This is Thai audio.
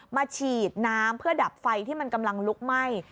ฉีดน้ำเพื่อดับไฟที่มันกำลังลุกไหม้